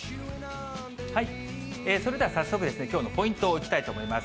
それでは早速、きょうのポイントをいきたいと思います。